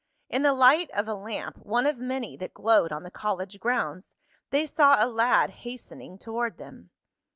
In the light of a lamp, one of many that glowed on the college grounds, they saw a lad hastening toward them.